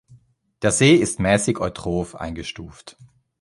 Der See ist mäßig eutroph eingestuft.